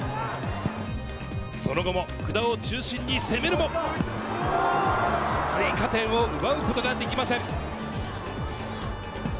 その後も福田を中心に攻めるも、追加点を奪うことができません。